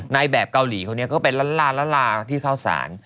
นายแบบเกาหลีเขาเนี่ยก็ไปลัลล่าลัลล่าที่เข้าสาร